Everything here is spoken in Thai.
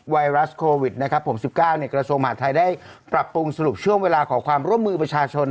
ไวรัสโควิดนะครับผม๑๙กระทรวงมหาดไทยได้ปรับปรุงสรุปช่วงเวลาขอความร่วมมือประชาชน